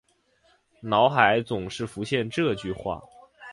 脑海总是浮现这句话